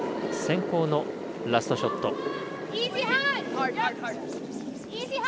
先攻のラストショット。